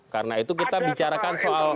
karena itu kita bicarakan soal